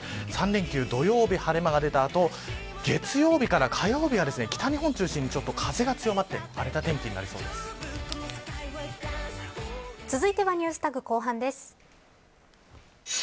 ３連休、土曜日晴れ間が出た後月曜日から火曜日は北日本を中心に風が強まって続いてはＮｅｗｓＴａｇ後半です。